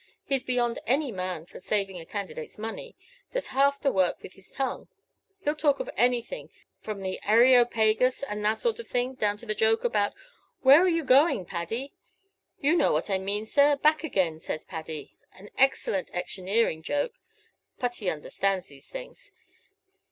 He's beyond any man for saving a candidate's money does half the work with his tongue. He'll talk of anything, from the Areopagus, and that sort of thing, down to the joke about 'Where are you going, Paddy?' you know what I mean, sir! 'Back again, says Paddy' an excellent electioneering joke. Putty understands these things.